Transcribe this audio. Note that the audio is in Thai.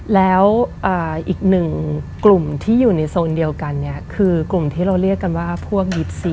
แล้วอีกหนึ่งกลุ่มที่อยู่ในโซนเดียวกันเนี่ยคือกลุ่มที่เราเรียกกันว่าพวก๒๔